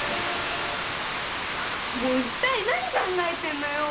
もう一体何考えてんのよ！